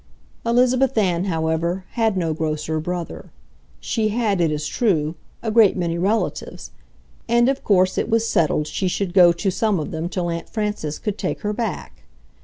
Elizabeth Ann, however, had no grocer brother. She had, it is true, a great many relatives, and of course it was settled she should go to some of them till Aunt Frances could take her back.